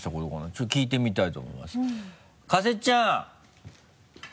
ちょっと聞いてみたいと思います加瀬ちゃん。